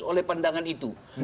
oleh pandangan itu